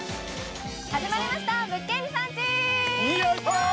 始まりました、「物件リサーチ」。